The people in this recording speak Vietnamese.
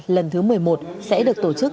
lần thứ một mươi một sẽ được tổ chức